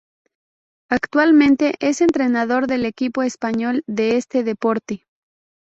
Actualmente es entrenador del equipo español de este deporte.